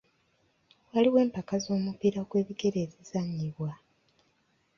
Waliwo empaka z'omupiira gw'ebigere ezizannyibwa.